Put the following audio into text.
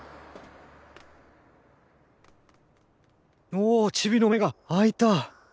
おおっチビの目があいた！